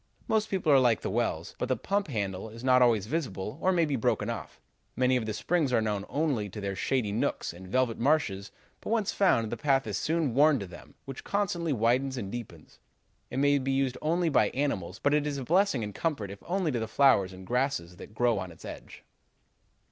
Most people are like the wells, but the pump handle is not always visible or may be broken off. Many of the springs are known only to their shady nooks and velvet marshes, but, once found, the path is soon worn to them, which constantly widens and deepens. It may be used only by animals, but it is a blessing and comfort if only to the flowers and grasses that grow on its edge.'